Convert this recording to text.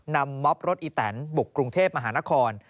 ม็อบรถอีแตนบุกกรุงเทพมหานคร